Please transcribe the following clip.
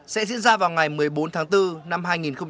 sẽ diễn ra vào ngày một mươi bốn tháng bốn năm hai nghìn hai mươi